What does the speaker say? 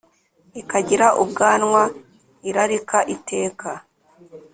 Ikagira ubwanwa irarika iteka